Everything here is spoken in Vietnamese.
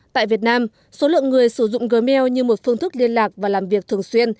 tại việt nam số lượng người sử dụng gm như một phương thức liên lạc và làm việc thường xuyên